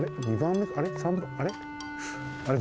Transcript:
あれ？